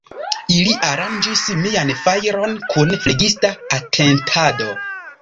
Ili aranĝis mian fajron kun flegista atentado.